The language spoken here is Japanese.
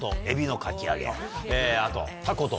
あと。